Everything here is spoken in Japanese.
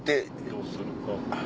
どうするか。